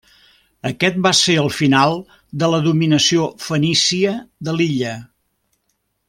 Aquest va ser el final de la dominació fenícia de l'illa.